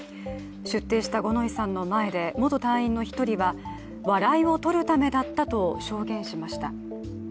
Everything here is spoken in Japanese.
出廷した五ノ井さんの前で元隊員の１人は笑いを取るためだったと証言しました。